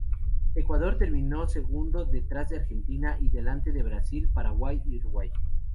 Ecuador terminó segundo detrás de Argentina y delante de Brasil, Paraguay y Uruguay.